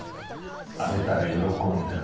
あげたら喜んでね。